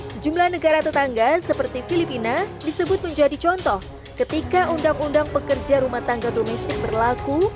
sejumlah negara tetangga seperti filipina disebut menjadi contoh ketika undang undang pekerja rumah tangga domestik berlaku